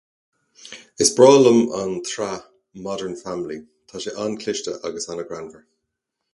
Is breá liom an tsraith Modern Family. Tá sé an-chliste agus an-greannmhar.